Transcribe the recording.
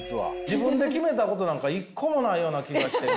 自分で決めたことなんか一個もないような気がして。